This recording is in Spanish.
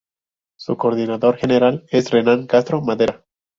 Su coordinador general es Renán Castro Madera.